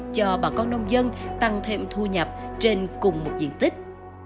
cho bà con nông dân tăng thêm thu nhập trên cùng một diện tích